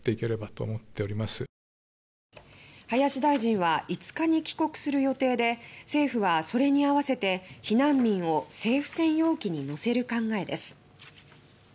林大臣は５日に帰国する予定で政府は、それに合わせて避難民を政府専用機に乗せる考えです。